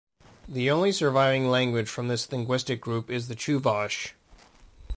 The only surviving language from this linguistic group is the Chuvash.